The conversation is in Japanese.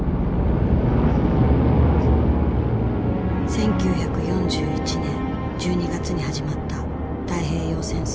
１９４１年１２月に始まった太平洋戦争。